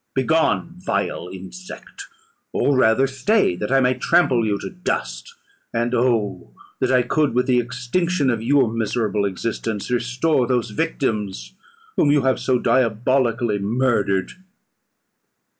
Begone, vile insect! or rather, stay, that I may trample you to dust! and, oh! that I could, with the extinction of your miserable existence, restore those victims whom you have so diabolically murdered!"